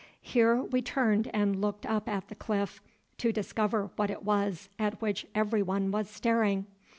Here we turned and looked up at the cliff, to discover what it was at which every one was staring.